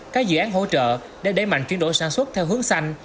các dự án hỗ trợ để đẩy mạnh chuyển đổi sản xuất theo hướng xanh